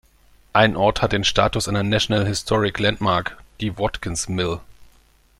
Ein Ort hat den Status einer National Historic Landmark, die Watkins Mill.